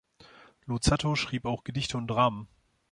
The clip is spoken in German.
Luzzatto schrieb auch Gedichte und Dramen.